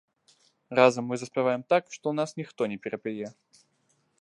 Разам мы заспяваем так, што нас ніхто не перапяе.